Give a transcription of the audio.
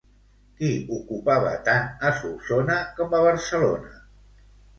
Qui ocupava tant a Solsona com a Barcelona?